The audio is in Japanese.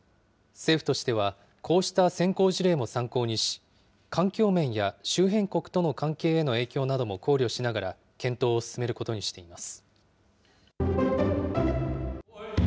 政府としては、こうした先行事例も参考にし、環境面や周辺国との関係への影響なども考慮しながら検討を進めることにしています。